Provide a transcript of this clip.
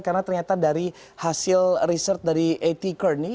karena ternyata dari hasil riset dari a t kearney